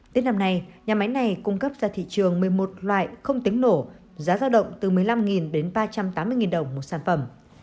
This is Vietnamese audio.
tết năm nay nhà máy này cung cấp ra thị trường một mươi một loại không tiếng nổ giá giao động từ một mươi năm đến ba trăm tám mươi đồng một sản phẩm